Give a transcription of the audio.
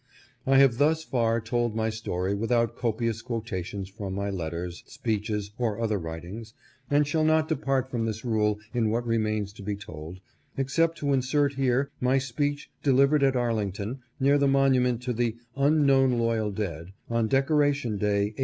I have thus far told my story without copious quota tions from my letters, speeches, or other writings, and shall not depart from this rule in what remains to be told, except to insert here my speech, delivered at Arling ton, near the monument to the " Unknown Loyal Dead," on Decoration Day, 1871.